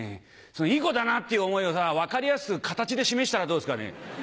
いい子だなっていう思いを分かりやすく形で示したらどうですかね？